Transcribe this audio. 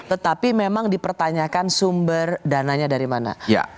tetapi memang dipertanyakan sumber dananya dari mana